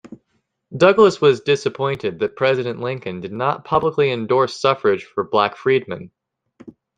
Douglass was disappointed that President Lincoln did not publicly endorse suffrage for black freedmen.